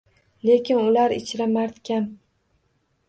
Lekin ular ichra mard kam